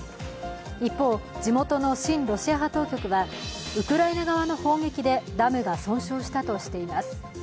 一方、地元の親ロシア派当局はウクライナ側の砲撃でダムが損傷したとしています。